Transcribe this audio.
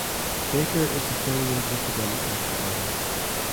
Baker is affiliated with the Democratic Party.